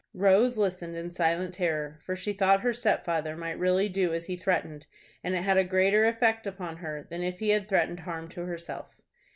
Rose listened in silent terror, for she thought her stepfather might really do as he threatened, and it had a greater effect upon her than if he had threatened harm to herself.